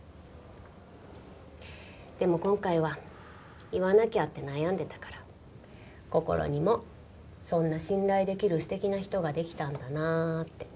でも今回は言わなきゃって悩んでたからこころにもそんな信頼できる素敵な人ができたんだなあって。